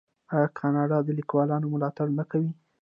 آیا کاناډا د لیکوالانو ملاتړ نه کوي؟